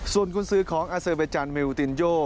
ส่วนกุญสือของอาเซอร์เบจันมิลตินโย